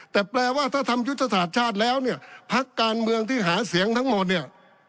แต่แปลว่าถ้าทำยุทธศาสตร์ชาติแล้วเนี่ยพักการเมืองที่หาเสียงทั้งหมดเนี่ย